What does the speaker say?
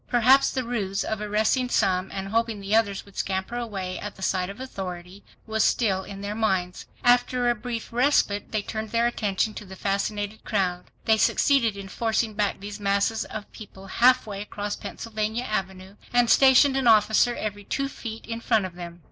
Perhaps the ruse of arresting some, and hoping the others would scamper away at the sight of authority, was still in their minds. After a brief respite they turned their attention to the fascinated crowd. They succeeded in forcing back these masses of people half way across Pennsylvania Avenue, and stationed an officer every two feet in front of them.